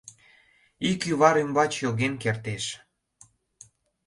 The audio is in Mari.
Ий кӱвар ӱмбач йоген кертеш.